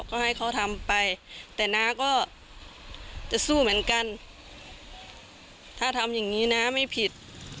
ก็ให้เขาทำไปแต่น้าก็จะสู้เหมือนกันถ้าทำอย่างนี้น้าไม่ผิด